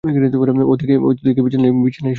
ওদিকে, বিছানায় শুয়ে ঘুমাচ্ছে।